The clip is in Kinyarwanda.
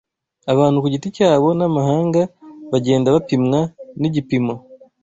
abantu ku giti cyabo n’amahanga bagenda bapimwa n’igipimo